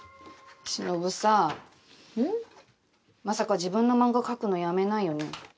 まさか自分の漫画描くのやめないよね？